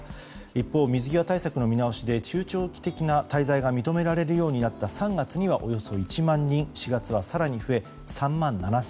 一方、水際対策の見直しで中長期的な滞在が認められるようになった３月にはおよそ１万人４月は更に増え３万７０００人。